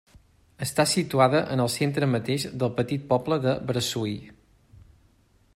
Està situada en el centre mateix del petit poble de Bressui.